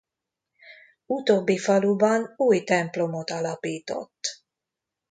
Utóbbi faluban új templomot alapított.